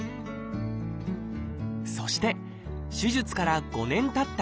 そして手術から５年たった